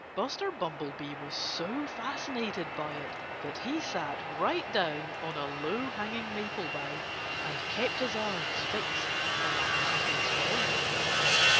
Buster Bumblebee was so fascinated by it that he sat right down on a low hanging maple bough and kept his eyes fixed on that marvellous boy.